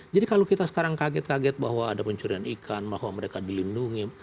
jadi kalau kita sekarang kaget kaget bahwa ada pencurian ikan bahwa mereka dilindungi